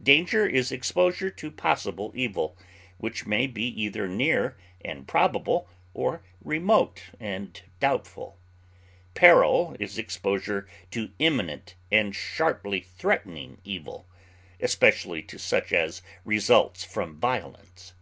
Danger is exposure to possible evil, which may be either near and probable or remote and doubtful; peril is exposure to imminent and sharply threatening evil, especially to such as results from violence.